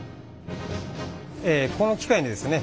この機械でですね